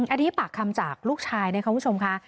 อันนี้ปากคำจากลูกชายนะครับคุณผู้ชมค่ะ